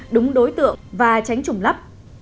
đúng đối tượng và tránh trùng lắp